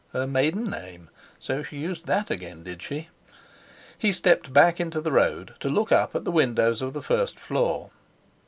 Her maiden name: so she used that again, did she?—he stepped back into the road to look up at the windows of the first floor.